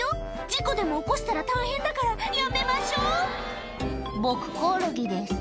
事故でも起こしたら大変だからやめましょう「僕コオロギです」